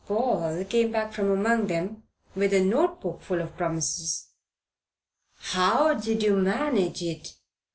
Paul came back from among them with a notebook full of promises. "How did you manage it?"